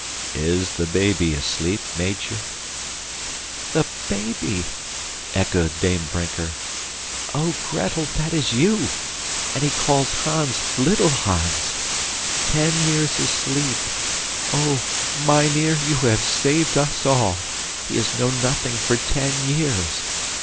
"Is the baby asleep, Meitje?" "The baby!" echoed Dame Brinker. "Oh, Gretel, that is you! And he calls Hans 'little Hans.' Ten years asleep! Oh, mynheer, you have saved us all. He has known nothing for ten years!